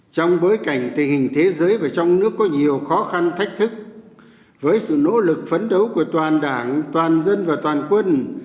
trong bối cảnh tình hình thế giới và trong nước có nhiều khó khăn thách thức với sự nỗ lực phấn đấu của toàn đảng toàn dân và toàn quân